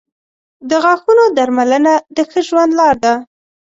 • د غاښونو درملنه د ښه ژوند لار ده.